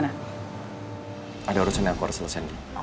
ada urusan yang aku harus selesaikan